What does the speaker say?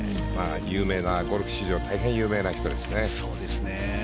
ゴルフ史上大変有名な人ですね。